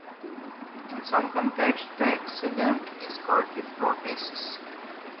In some contexts the antecedent is called the protasis.